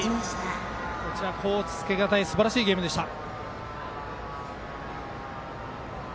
甲乙つけがたいすばらしいゲームでした。